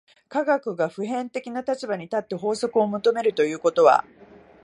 科学が普遍的な立場に立って法則を求めるということは、